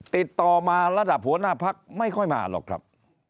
ติดต่อมาระดับหัวหน้าพักไม่ค่อยมาหรอกครับ